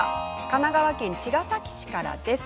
神奈川県茅ヶ崎市からです。